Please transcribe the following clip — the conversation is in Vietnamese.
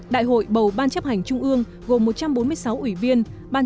đại hội bầu ban chấp hành trung ương gồm một trăm bốn mươi sáu ủy viên